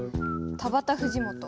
田畑藤本」。